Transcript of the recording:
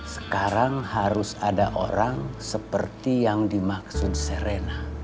sekarang harus ada orang seperti yang dimaksud serena